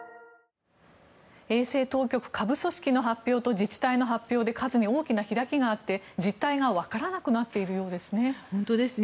衛生当局下部組織の発表と自治体の発表で数に大きな開きがあって実態がわからなくなっているようですね。